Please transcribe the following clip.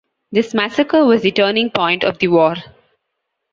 This massacre was the turning point of the war.